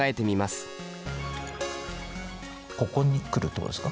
ここに来るってことですか？